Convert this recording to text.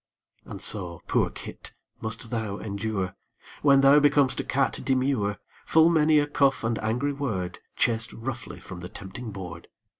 And so, poor kit! must thou endure, When thou becom'st a cat demure, Full many a cuff and angry word, Chased roughly from the tempting board.